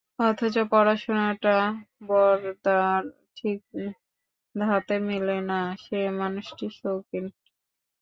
অথচ পড়াশুনাটা বরদার ঠিক ধাতে মেলে না, সে মানুষটি শৌখিন।